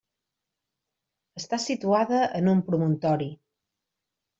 Està situada en un promontori.